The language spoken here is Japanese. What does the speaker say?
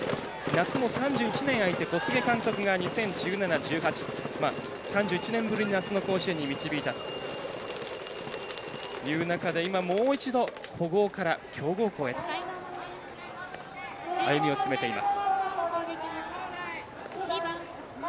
夏も３１年あいて小菅監督が２０１７、１８３１年ぶりに夏の甲子園に導いたという中で今、もう一度古豪から強豪校へと歩みを進めています。